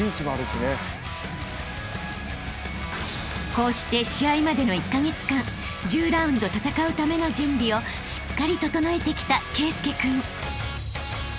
［こうして試合までの１カ月間１０ラウンド戦うための準備をしっかり整えてきた圭佑君］